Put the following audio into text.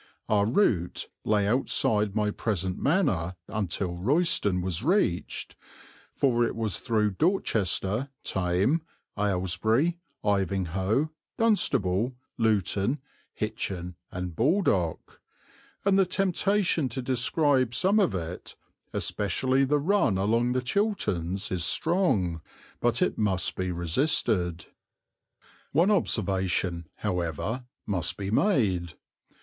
Our route lay outside my present manor until Royston was reached, for it was through Dorchester, Thame, Aylesbury, Ivinghoe, Dunstable, Luton, Hitchin, and Baldock; and the temptation to describe some of it, especially the run along the Chilterns, is strong, but it must be resisted. One observation, however, must be made.